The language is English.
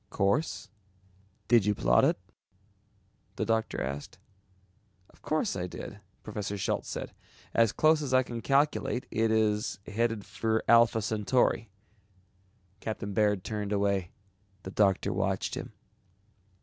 "Course? Did you plot it?" The doctor asked. "Of course I did," Professor Schultz said, "as close as I can calculate it is headed for Alpha Centauri." Captain Baird turned away. The doctor watched him.